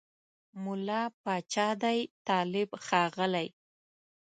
مُلا پاچا دی طالب ښاغلی